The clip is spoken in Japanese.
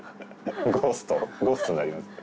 『ゴースト』『ゴースト』になりますね。